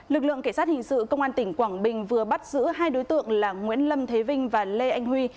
lực lượng cảnh sát hình sự công an tỉnh quảng bình vừa bắt giữ hai đối tượng là nguyễn lâm thế vinh và lê anh huy